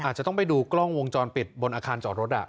อาจจะต้องไปดูกล้องวงจรปิดบนอาคารจอดรถ